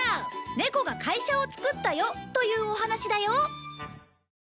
「ネコが会社を作ったよ」というお話だよ！